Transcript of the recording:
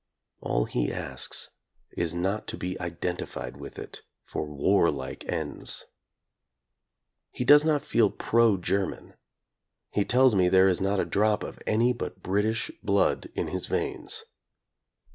All he asks is not to be identified with it for warlike ends. He does not feel pro Ger man. He tells me there is not a drop of any but British blood in his veins.